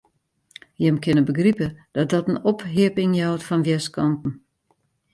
Jim kinne begripe dat dat in opheapping jout fan wjerskanten.